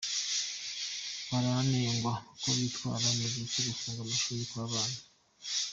Baranengwa uko bitwara mugihe cyo gufunga amashuri kw’abana.